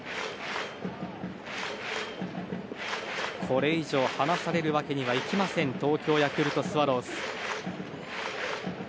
これ以上、離されるわけにはいきません東京ヤクルトスワローズ。